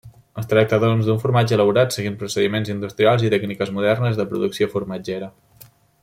Es tracta, doncs, d'un formatge elaborat seguint procediments industrials i tècniques modernes de producció formatgera.